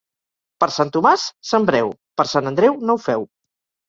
Per Sant Tomàs, sembreu; per Sant Andreu, no ho feu.